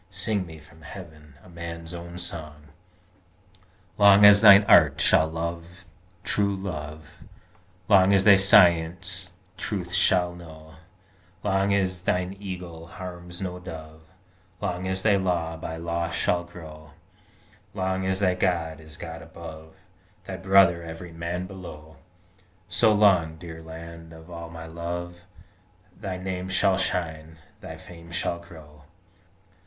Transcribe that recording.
Sing me from Heaven a man's own song! "Long as thine Art shall love true love, Long as thy Science truth shall know, Long as thine Eagle harms no Dove, Long as thy Law by law shall grow, Long as thy God is God above, Thy brother every man below, So long, dear Land of all my love, Thy name shall shine, thy fame shall glow!"